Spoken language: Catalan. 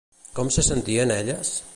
Com se sentien elles?